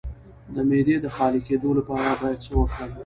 د معدې د خالي کیدو لپاره باید څه وکړم؟